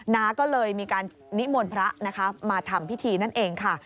น้าก็เลยมีการนิมนต์พระนะคะมาทำพิธีนั่นเองค่ะ